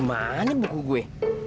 bukunya buku gue